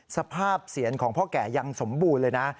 เสียนของพ่อแก่ยังสมบูรณ์เลยนะ